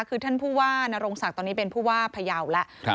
คือท่านผู้ว่านรงศักดิ์ตอนนี้เป็นผู้ว่าพยาวแล้ว